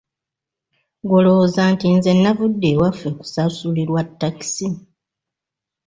Ggwe olowooza nti nze navudde ewaffe kusasulirwa takisi?